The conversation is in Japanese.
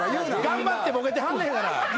頑張ってボケてはんのやから。